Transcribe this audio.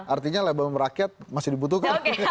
artinya label rakyat masih dibutuhkan